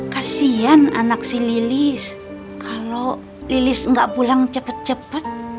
kasian anak si lilis kalau lilis enggak pulang cepet cepet